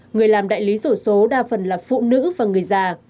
người làm đại lý sổ số đa phần là phụ nữ và người già